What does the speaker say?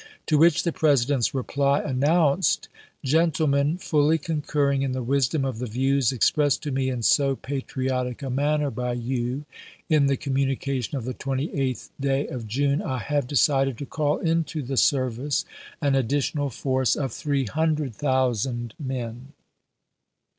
To which the President's reply announced :" Gentle men, fully concurring in the wisdom of the views expressed to me in so patriotic a manner by you in the communication of the 28th day of June, I have decided to call into the service an additional force of 300,000 men."